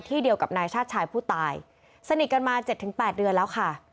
ที่เดียวกับนายชาติชายผู้ตายสนิทกันมาเจ็ดถึงแปดเดือนแล้วค่ะ